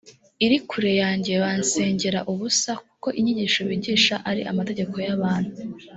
iri kure yanjye bansengera ubusa kuko inyigisho bigisha ari amategeko y abantu